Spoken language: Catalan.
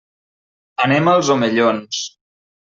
Anem als Omellons.